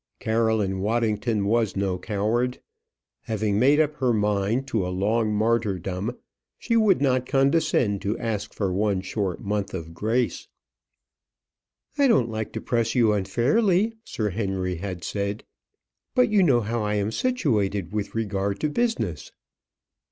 Caroline Waddington was no coward. Having made up her mind to a long martyrdom, she would not condescend to ask for one short month of grace. "I don't like to press you unfairly," Sir Henry had said, "but you know how I am situated with regard to business."